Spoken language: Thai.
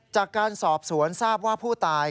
จากการสอบสวนทราบว่าผู้ตาย